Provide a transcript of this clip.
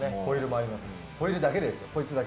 ホイールだけでですよ。